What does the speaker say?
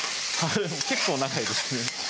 結構長いですね